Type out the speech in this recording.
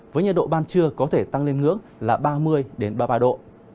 với nhiệt độ ban trưa có thể tăng lên hướng là ba mươi ba mươi ba độ